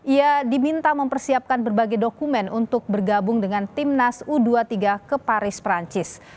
ia diminta mempersiapkan berbagai dokumen untuk bergabung dengan timnas u dua puluh tiga ke paris perancis